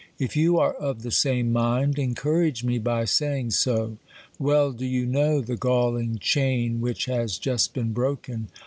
If you are of the same mind, encourage me by saying so. Well do you know the galling chain which has just been broken.